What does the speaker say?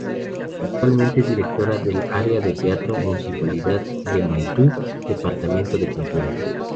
Actualmente es Directora del área de Teatro Municipalidad de Maipú Departamento de Cultura.